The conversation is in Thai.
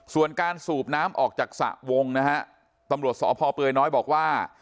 ส่วนการสูบน้ำออกจากสระวงนะฮะตำรวจสพเปยน้อยบอกว่า